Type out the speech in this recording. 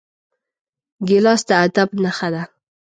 ګیلاس د ادب نښه ده.